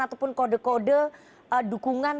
ataupun kode kode dukungan